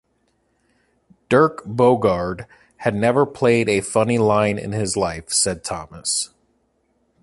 Dirk Bogarde... had never played a funny line in his life, said Thomas.